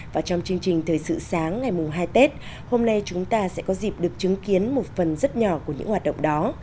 và trong chương trình thời sự sáng ngày mùng hai tết hôm nay chúng ta sẽ có dịp được chứng kiến một phần rất nhỏ của những hoạt động đó